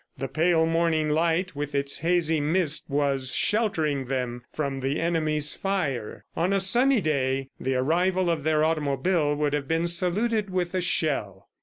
The pale morning light with its hazy mist was sheltering them from the enemy's fire. On a sunny day, the arrival of their automobile would have been saluted with a shell.